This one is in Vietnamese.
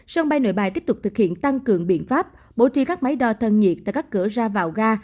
sân bay nội bài tiếp tục thực hiện tăng cường biện pháp bổ trí các máy đo thân nhiệt tại các cửa ra vào ga